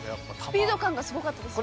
スピード感がすごかったですね。